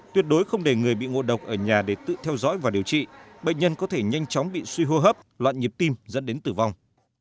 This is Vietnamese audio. tuyệt đối không để người bị ngộ độc ở nhà để tự theo dõi và điều trị bệnh nhân có thể nhanh chóng bị suy hô hấp loạn nhịp tim dẫn đến tử vong